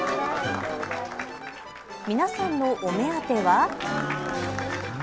皆さんのお目当ては。